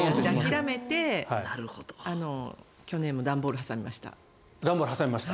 諦めて去年も段ボールを挟みました。